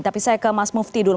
tapi saya ke mas mufti dulu